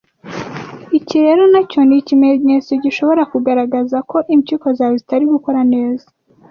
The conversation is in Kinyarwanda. Iki rero nacyo ni ikimenyetso gishobora kugaragaza ko impyiko zawe zitari gukora neza